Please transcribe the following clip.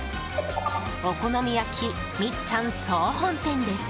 お好み焼みっちゃん総本店です。